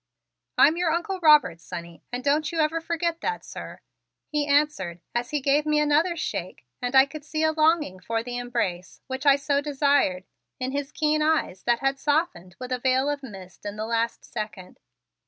"I'm your Uncle Robert, sonny, and don't you ever forget that, sir," he answered as he gave me another shake and I could see a longing for the embrace, which I so desired, in his keen eyes that had softened with a veil of mist in the last second.